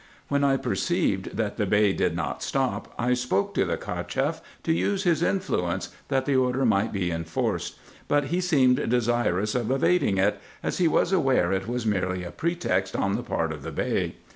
IN EGYPT, NUBIA, &c. 191 When I perceived that the Bey did not stop, I spoke to the Cacheff, to use Ms influence, that the order might be enforced ; but he seemed desirous of evading it, as he was aware it was merely a pretext on the part of the Bey.